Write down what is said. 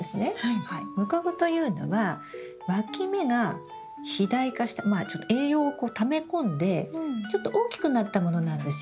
ムカゴというのはわき芽が肥大化した栄養をため込んでちょっと大きくなったものなんですよ。